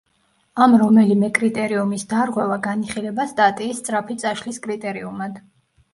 ამ რომელიმე კრიტერიუმის დარღვევა განიხილება სტატიის სწრაფი წაშლის კრიტერიუმად.